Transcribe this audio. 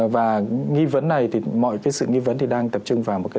và nghi vấn này thì mọi cái sự nghi vấn thì đang tập trung vào một cái